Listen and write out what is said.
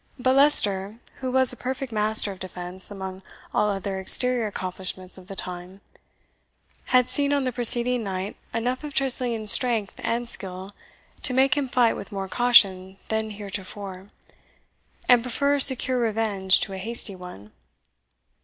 But Leicester, who was a perfect master of defence among all other exterior accomplishments of the time, had seen on the preceding night enough of Tressilian's strength and skill to make him fight with more caution than heretofore, and prefer a secure revenge to a hasty one.